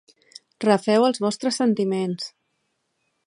Refeu els vostres sentiments.